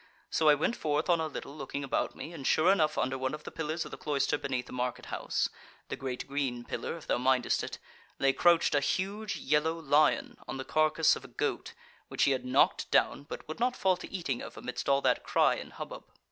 So I went forth on a little, looking about me, and sure enough under one of the pillars of the cloister beneath the market house (the great green pillar, if thou mindest it), lay crouched a huge yellow lion, on the carcase of a goat, which he had knocked down, but would not fall to eating of amidst all that cry and hubbub.